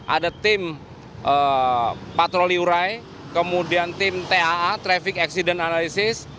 ada tim patroli urai kemudian tim taa traffic accident analysis